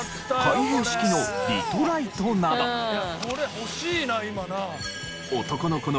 これ欲しいな今な。